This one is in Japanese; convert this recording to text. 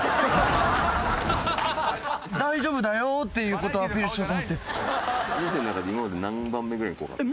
大丈夫だよっていうことアピールしようと思って。